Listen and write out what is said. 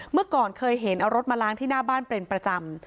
เมื่อก่อนเคยเห็นเอารถมาล้างที่หน้าบ้านเป็นประจำ